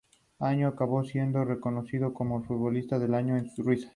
Tiene una dotación de servicios pensados para los peregrinos, dignos de mención.